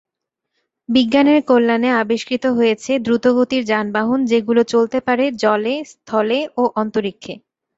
বিজ্ঞানের কল্যাণে আবিষ্কৃত হয়েছে দ্রুতগতির যানবাহন যেগুলো চলতে পারে জলে, স্থলে ও অন্তরীক্ষে।